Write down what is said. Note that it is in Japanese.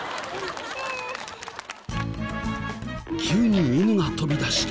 急に犬が飛び出して。